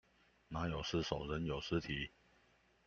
馬有失手，人有失蹄